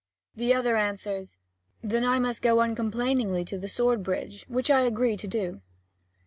The other answers: "Then I must go uncomplainingly to the sword bridge, which I agree to do."